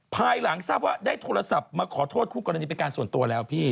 ภายหลังทราบว่าได้โทรศัพท์มาขอโทษคู่กรณีเป็นการส่วนตัวแล้วพี่